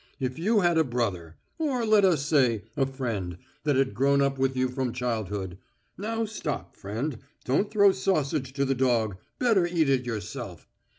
"If you had a brother, or, let us say, a friend, that had grown up with you from childhood Now stop, friend, don't throw sausage to the dog ... better eat it yourself....